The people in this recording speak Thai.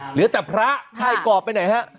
เหลือแต่พระให้กรอบไปไหนฮะ